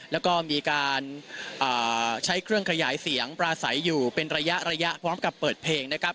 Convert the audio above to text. แล้วก็มีการใช้เครื่องขยายเสียงปราศัยอยู่เป็นระยะระยะพร้อมกับเปิดเพลงนะครับ